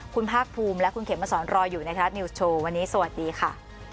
คุณภาคภูมิและคุณเขมสอนรออยู่ในไทยรัฐนิวส์โชว์วันนี้สวัสดีค่ะ